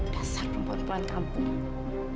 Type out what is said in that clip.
dasar perempuan perempuan kampung